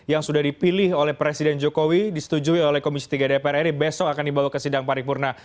yang sudah dipilih oleh presiden jokowi disetujui oleh komisi tiga dpr ri besok akan dibawa ke sidang paripurna